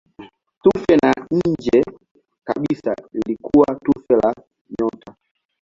Tufe la nje kabisa lilikuwa tufe la nyota.